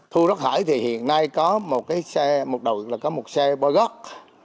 thu rác thải thì hiện nay có một xe một đội là có một xe bôi gót